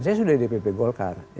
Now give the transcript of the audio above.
saya sudah di pp golkar